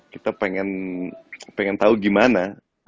kita pengen tau gimana